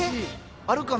あるかな？